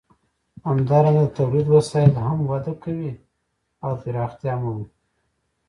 همدارنګه د تولید وسایل هم وده کوي او پراختیا مومي.